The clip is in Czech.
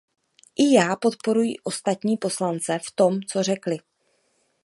I já podporuji ostatní poslance v tom, co řekli.